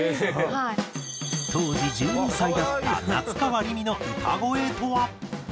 当時１２歳だった夏川りみの歌声とは？